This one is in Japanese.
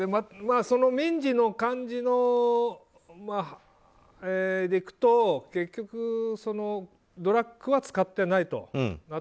その民事の感じのでいくと結局、ドラッグは使ってないと。